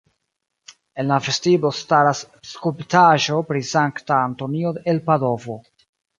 En la vestiblo staras skulptaĵo pri Sankta Antonio el Padovo.